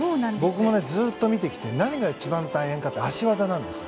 僕もずっと見てきて何が一番大変かって脚技なんです。